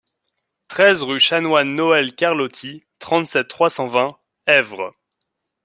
treize rue Chanoine Noël Carlotti, trente-sept, trois cent vingt, Esvres